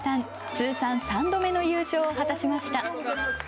通算３度目の優勝を果たしました。